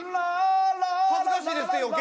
恥ずかしいですって余計。